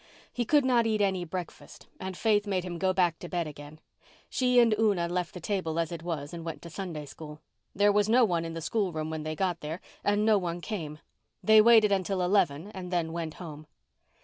He could not eat any breakfast and Faith made him go back to bed again. She and Una left the table as it was and went to Sunday School. There was no one in the school room when they got there and no one came. They waited until eleven and then went home.